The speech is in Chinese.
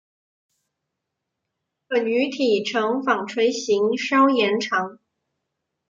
本鱼体成纺锤型稍延长。